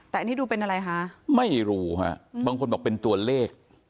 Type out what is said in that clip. แต่อันนี้ดูเป็นอะไรคะไม่รู้ฮะบางคนบอกเป็นตัวเลข